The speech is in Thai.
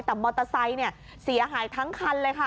แต่มอเตอร์ไซค์เสียหายทั้งคันเลยค่ะ